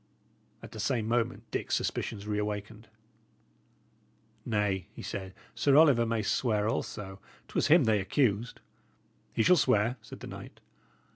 At the same moment Dick's suspicions reawakened. "Nay," he said, "Sir Oliver may swear also. 'Twas him they accused." "He shall swear," said the knight.